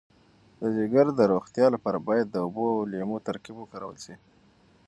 د ځیګر د روغتیا لپاره باید د اوبو او لیمو ترکیب وکارول شي.